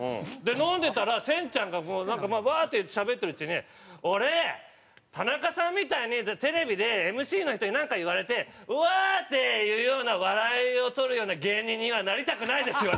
飲んでたらせんちゃんがなんかワーッてしゃべってるうちに「俺田中さんみたいにテレビでＭＣの人になんか言われてウワーッて言うような笑いを取るような芸人にはなりたくないですよ」